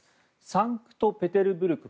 サンクトペテルブルク